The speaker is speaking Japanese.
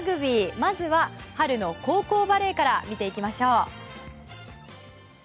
まずは春の高校バレーから見ていきましょう。